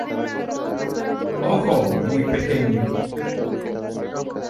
Ojo muy pequeño.